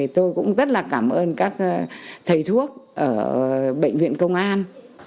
tôi cũng rất là cảm ơn các thầy thuốc ở bệnh viện công an